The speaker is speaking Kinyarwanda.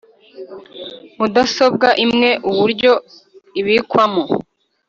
mudasobwa imwe uburyo ibikwamo.